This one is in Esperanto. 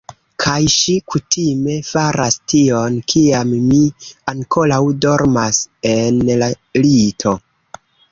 Kaj ŝi kutime faras tion, kiam mi ankoraŭ dormas en la lito.